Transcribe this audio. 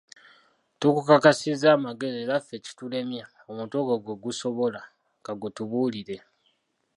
Tukukakasizza amagezi era ffe kitulemye omutwe gwo gwe gusobola, ka gutubuulire.